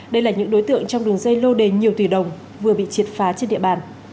đây là những đối tượng trong đường dây lô đề nhiều tỷ đồng vừa bị triệt phá trên địa bàn